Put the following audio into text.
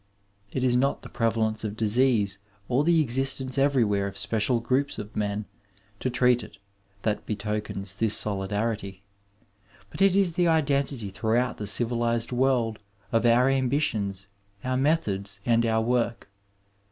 It is not the prevalence of disease or the existence everywhere of special groups of men to treat it that betokens this solidarity, but it is the identity throughout the civilized world of our ambitions, our methods and our work.